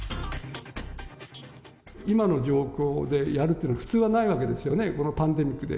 今の状況でやるというのは、普通はないわけですよね、このパンデミックで。